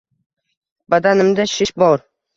Badanimda shish bor.